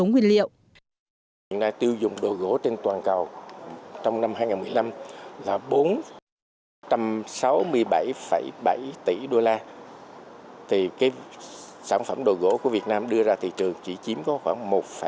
hiện nay tiêu dùng đồ gỗ trên toàn cầu trong năm hai nghìn một mươi năm là bốn trăm sáu mươi bảy bảy tỷ đô la thì cái sản phẩm đồ gỗ của việt nam đưa ra thị trường chỉ chiếm có khoảng một năm